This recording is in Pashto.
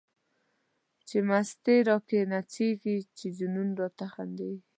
چی مستی را کی نڅیږی، چی جنون راته خندیږی